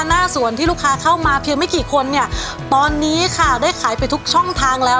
หน้าสวนที่ลูกค้าเข้ามาเพียงไม่กี่คนเนี่ยตอนนี้ค่ะได้ขายไปทุกช่องทางแล้ว